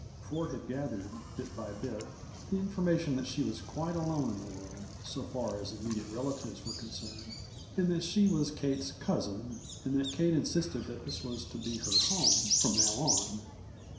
Ford had gathered, bit by bit, the information that she was quite alone in the world, so far as immediate relatives were concerned, and that she was Kate's cousin, and that Kate insisted that this was to be her home, from now on.